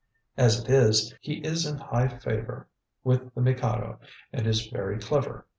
As it is, he is high in favour with the Mikado and is very clever.